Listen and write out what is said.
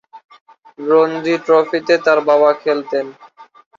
রঞ্জি ট্রফিতে তার বাবা খেলতেন।